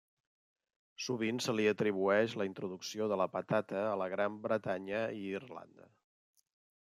Sovint se li atribueix la introducció de la patata a la Gran Bretanya i Irlanda.